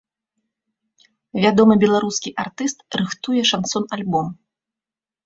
Вядомы беларускі артыст рыхтуе шансон-альбом.